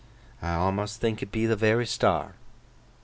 I awmust think it be the very star!